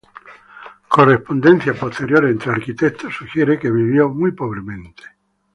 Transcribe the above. Correspondencia posterior entre arquitectos sugiere que vivió muy pobremente.